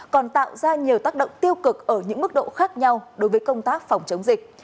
còn tạo ra nhiều tác động tiêu cực ở những mức độ khác nhau đối với công tác phòng chống dịch